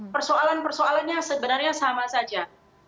persoalan persoalannya sebenarnya sama saja